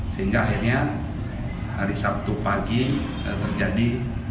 sehingga akhirnya hari sabtu pagi terjadi